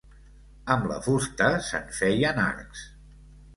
Amb la fusta se'n feien arcs.